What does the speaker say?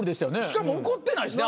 しかも怒ってないしね